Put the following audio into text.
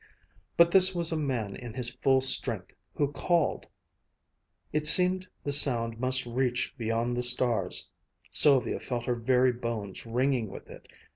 But this was a man in his full strength who called! It seemed the sound must reach beyond the stars. Sylvia felt her very bones ringing with it.